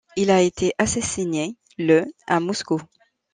Il a été assassiné le à Moscou.